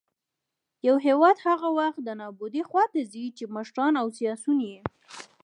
يـو هـېواد هـغه وخـت د نـابـودۍ خـواتـه ځـي ،چـې مـشران او سـياسيون يـې